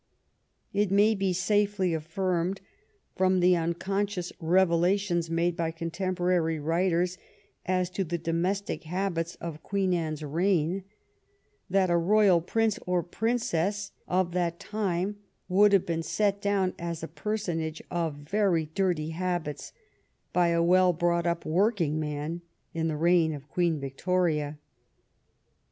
It may be safely afiirmed, from the imconscious revela tions made by contemporary writers as to the domes tic habits of Queen Anne's reign that a royal prince or princess of that time would have been set down as a personage of very dirty habits by a well brought up working man in the reign of Queen Victoria.